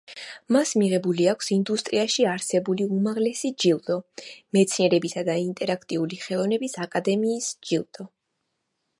მას მიღებული აქვს ინდუსტრიაში არსებული უმაღლესი ჯილდო მეცნიერებისა და ინტერაქტიული ხელოვნების აკადემიის ჯილდო.